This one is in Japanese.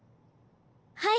はい。